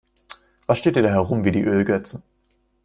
Was steht ihr da herum wie die Ölgötzen?